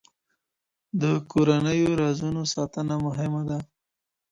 د کورنيو رازونو ساتنه مهمه ده.